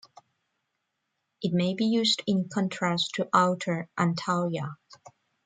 It may be used in contrast to Outer Antalya.